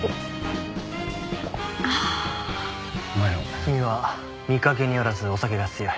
君は見かけによらずお酒が強い。